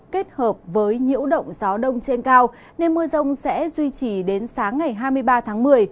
kết hợp với nhiễu động gió đông trên cao nên mưa rông sẽ duy trì đến sáng ngày hai mươi ba tháng một mươi